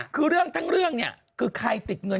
คือเรื่องทั้งเรื่องเนี่ยคือใครติดเงิน